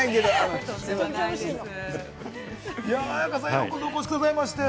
ようこそお越しくださいました。